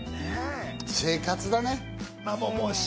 生活だね。